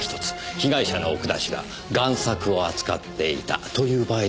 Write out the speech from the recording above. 被害者の奥田氏が贋作を扱っていたという場合でしょうね。